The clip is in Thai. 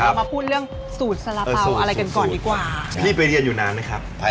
วันเดียวเลยนะพี่